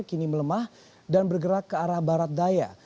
kini melemah dan bergerak ke arah barat daya